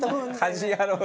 『家事ヤロウ！！！』